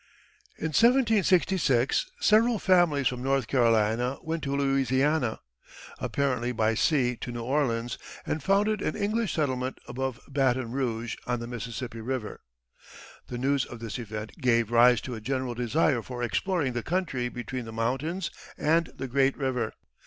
In 1766 several families from North Carolina went to Louisiana, apparently by sea to New Orleans, and founded an English settlement above Baton Rouge on the Mississippi River. The news of this event gave rise to a general desire for exploring the country between the mountains and the great river.